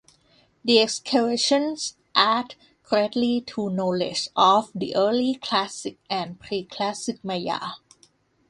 The excavations added greatly to knowledge of the early Classic and pre-Classic Maya.